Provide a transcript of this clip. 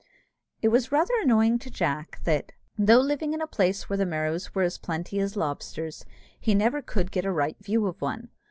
It was rather annoying to Jack that, though living in a place where the Merrows were as plenty as lobsters, he never could get a right view of one.